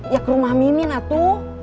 ya ke rumah mimin atu